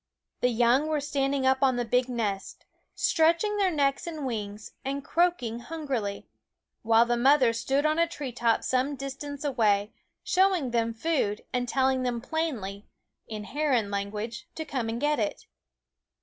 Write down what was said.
The young were standing up on the big nest, stretching necks and wings, and croaking hungrily; while the mother stood on a tree top some distance away, showing them food and telling them plainly, in heron language, to come and get it.